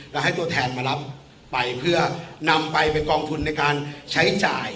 แล้วให้ตัวแทนมารับไปเพื่อนำไปไปกองทุนในการใช้จ่าย